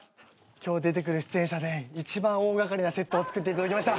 今日出てくる出演者で一番大掛かりなセットを作っていただきました。